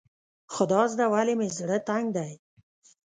خدازده ولې مې زړه تنګ دی.